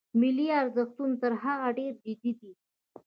ملي ارزښتونه تر هغه ډېر جدي دي.